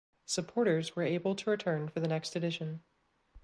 Supporters were able to return for the next edition.